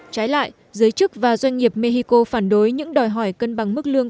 trái lại giới chức và doanh nghiệp mexico phản đối những đòi hỏi cân bằng mức lương